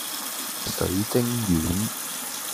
水晶丸